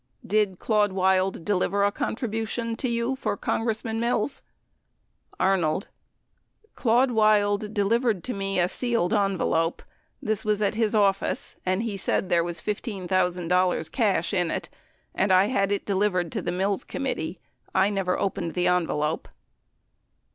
Did Claude Wild deliver a contribution to you for Congressman Mills? Arnold. Claude Wild delivered to me a sealed envelope. This was at his office and he said that there was $15,000 cash in it, and I had it delivered to the Mills committee. I never opened the envelope.